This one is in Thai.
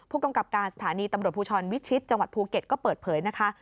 ผู้กำกับการสถานีตำรวจภูทรวิชิตจังหวัดภูเก็ตก็เปิดเผยนะคะ